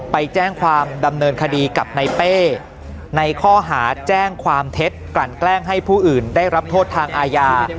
ไปแจ้งความดำเนินคดีกับในเป้ในข้อหาแจ้งความเท็จกลั่นแกล้งให้ผู้อื่นได้รับโทษทางอาญา